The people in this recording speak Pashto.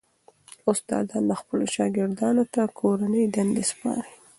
استادان خپلو شاګردانو ته کورنۍ دندې سپاري.